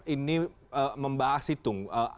ini membahas situng